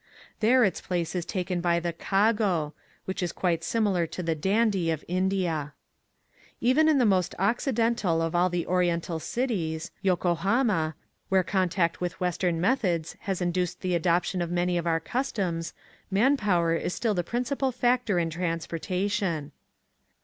There its place is taken by the "kago," which is quite simi lar to the "dandy" of India. Even in the most occidental of all the oriental cities — Yokohoma — where con tact with western methods has induced the adoption of many of our customs, man power is still the principal factor in transportation.